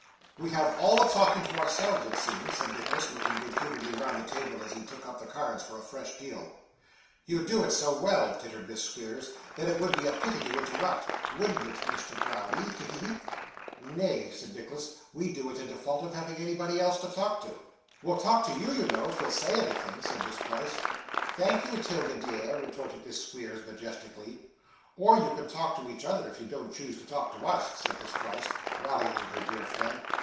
'We have all the talking to ourselves, it seems,' said Nicholas, looking good humouredly round the table as he took up the cards for a fresh deal. 'You do it so well,' tittered Miss Squeers, 'that it would be a pity to interrupt, wouldn't it, Mr. Browdie? He! he! he!' 'Nay,' said Nicholas, 'we do it in default of having anybody else to talk to.' 'We'll talk to you, you know, if you'll say anything,' said Miss Price. 'Thank you, 'Tilda, dear,' retorted Miss Squeers, majestically. 'Or you can talk to each other, if you don't choose to talk to us,' said Miss Price, rallying her dear friend.